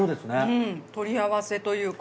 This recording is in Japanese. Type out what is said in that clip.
うん取り合わせというか。